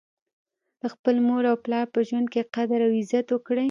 د خپل مور او پلار په ژوند کي قدر او عزت وکړئ